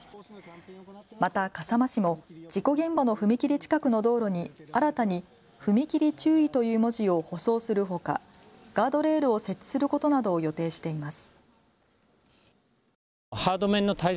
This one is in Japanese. また笠間市も事故現場の踏切近くの道路に新たに踏切注意という文字を舗装するほかガードレールを設置することなどを予定しています。